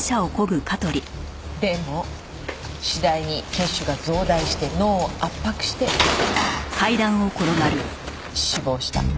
でも次第に血腫が増大して脳を圧迫して死亡した。